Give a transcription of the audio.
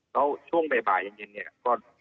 แล้วช่วงใบบ่ายังเย็นนี่ก็